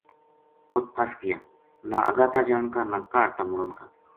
اُت پھس گیانہ اَگے تا جان کا نہ کاہڈ تامڑن کا